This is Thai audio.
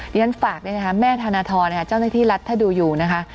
ฉะนั้นฝากแม่ธนทรเจ้าหน้าที่รัฐถ้าดูอยู่นะคะ